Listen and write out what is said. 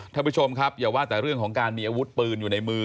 ท่านผู้ชมครับอย่าว่าแต่เรื่องของการมีอาวุธปืนอยู่ในมือ